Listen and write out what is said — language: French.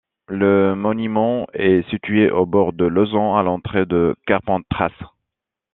Le monument est situé au bord de l'Auzon, à l'entrée de Carpentras.